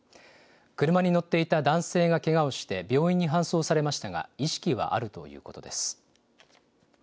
車に乗っていた男性がけがをして、病院に搬送されましたが、意識はあるということです。